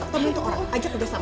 tentu orang ajak bersama